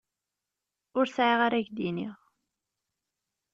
Ur sεiɣ ara k-d-iniɣ.